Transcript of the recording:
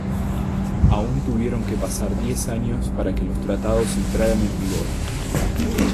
Aún tuvieron que pasar diez años para que los tratados entraran en vigor.